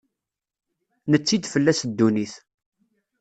Netti-d fell-as ddunit.